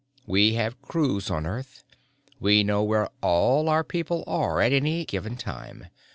We have crews on Earth. We know where all our people are at any given time.